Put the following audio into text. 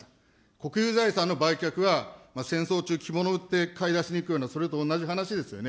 国有財産の売却は、戦争中、着物を売って買い出しに行くような、それと同じ話ですよね。